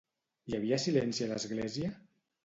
Hi havia silenci a l'església?